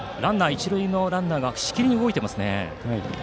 一塁のランナーがしきりに動いています。